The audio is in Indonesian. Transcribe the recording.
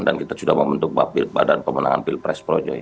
dan kita sudah membentuk badan pemenangan pilpres projo ya